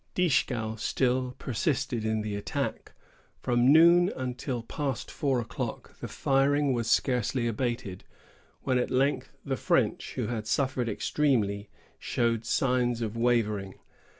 Dieskau still persisted in the attack. From noon until past four o'clock, the firing was scarcely abated, when at length the French, who had suffered extremely, showed signs of wavering.